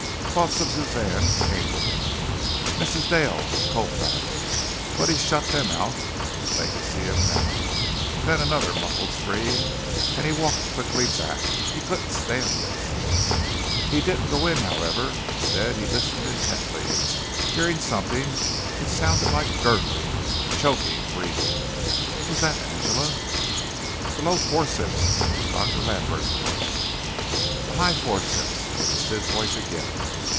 Thoughts of Suzanne came to him Mrs. Dale, Colfax, but he shut them out. If they could see him now! Then another muffled scream and he walked quickly back. He couldn't stand this. He didn't go in, however. Instead he listened intently, hearing something which sounded like gurgling, choking breathing. Was that Angela? "The low forceps" it was Dr. Lambert's voice. "The high forceps." It was his voice again.